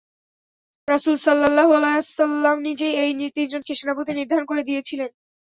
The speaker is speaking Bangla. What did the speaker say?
রাসূল সাল্লাল্লাহু আলাইহি ওয়াসাল্লাম নিজেই এই তিনজনকে সেনাপতি নির্ধারণ করে দিয়েছিলেন।